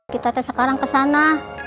kita sekarang kesana